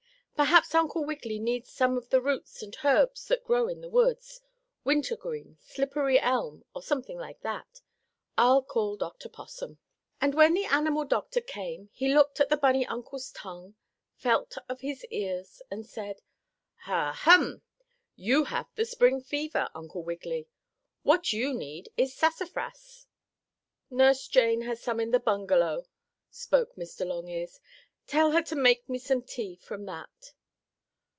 Perhaps Uncle Wiggily needs some of the roots and herbs that grow in the woods wintergreen, slippery elm or something like that. I'll call Dr. Possum." And when the animal doctor came he looked at the bunny uncle's tongue, felt of his ears, and said: "Ha! Hum! You have the Spring fever, Uncle Wiggily. What you need is sassafras." "Nurse Jane has some in the bungalow," spoke Mr. Longears. "Tell her to make me some tea from that."